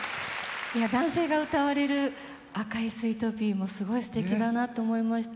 男性が歌われる「赤いスイートピー」もすごい、すてきだなと思いました。